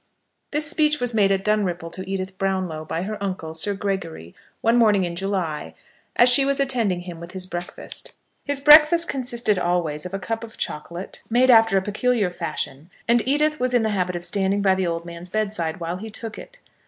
This speech was made at Dunripple to Edith Brownlow by her uncle, Sir Gregory, one morning in July, as she was attending him with his breakfast. His breakfast consisted always of a cup of chocolate, made after a peculiar fashion, and Edith was in the habit of standing by the old man's bedside while he took it.